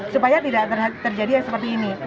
supaya tidak terjadi yang seperti ini